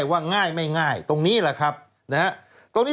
สวัสดีค่ะต้อนรับคุณบุษฎี